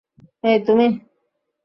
এই, তুমি!